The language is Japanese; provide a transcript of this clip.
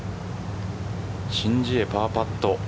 申ジエ、パーパット。